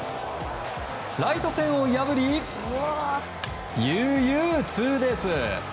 ライト線を破り悠々ツーベース。